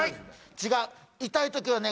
違う痛いときはね